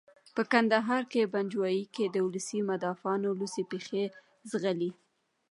په کندهار پنجوايي کې د ولس مدافعان لوڅې پښې ځغلي.